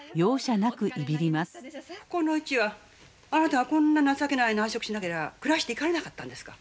このうちはあなたがこんな情けない内職しなけりゃ暮らしていかれなかったんですか？